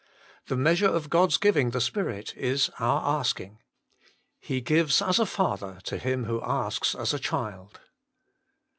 The measure of God s giving the Spirit is our asking. He gives as a father to him who asks as a child.